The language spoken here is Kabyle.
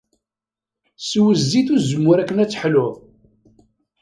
Sew zzit uzemmur akken ad teḥluḍ.